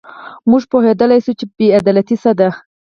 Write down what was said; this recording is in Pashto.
موږ پوهېدلای شو چې بې عدالتي څه ده.